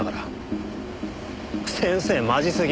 先生マジすぎ。